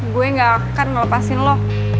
gue gak akan melepasin lo